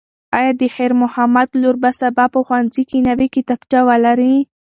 ایا د خیر محمد لور به سبا په ښوونځي کې نوې کتابچه ولري؟